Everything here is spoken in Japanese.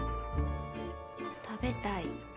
食べたい。